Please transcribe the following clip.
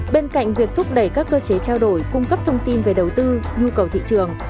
bên cạnh việc thúc đẩy các cơ chế trao đổi cung cấp thông tin về đầu tư nhu cầu thị trường